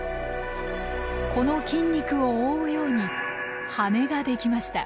この筋肉を覆うように羽ができました。